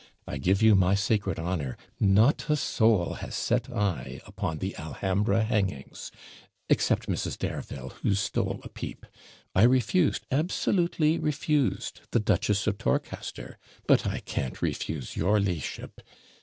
I give you my sacred honour, not a soul has set eye upon the Alhambra hangings, except Mrs. Dareville, who stole a peep; I refused, absolutely refused, the Duchess of Torcaster but I can't refuse your la'ship.